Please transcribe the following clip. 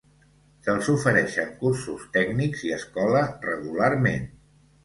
Se'ls ofereixen cursos tècnics i escola regularment.